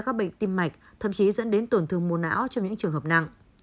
các bệnh tim mạch thậm chí dẫn đến tổn thương mô não cho những trường hợp nặng